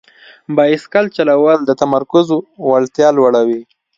بایسکل چلول د تمرکز وړتیا لوړوي.